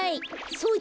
そうだ！